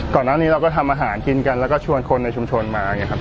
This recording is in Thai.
ก่อนหน้านี้เราก็ทำอาหารกินกันแล้วก็ชวนคนในชุมชนมา